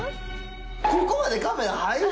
ここまでカメラ入る？